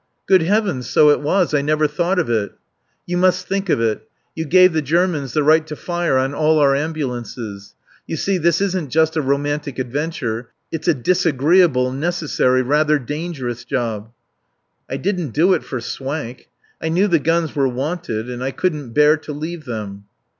"Good heavens, so it was! I never thought of it." "You must think of it. You gave the Germans the right to fire on all our ambulances.... You see, this isn't just a romantic adventure; it's a disagreeable, necessary, rather dangerous job." "I didn't do it for swank. I knew the guns were wanted, and I couldn't bear to leave them."